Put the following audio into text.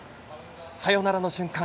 サヨナラの瞬間